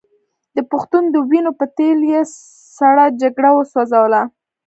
د پښتون د وینو په تېل یې سړه جګړه وسوځوله.